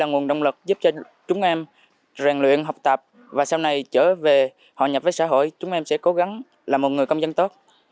giúp cho chúng em rèn luyện học tập và sau này trở về hòa nhập với xã hội chúng em sẽ cố gắng là một người công dân tốt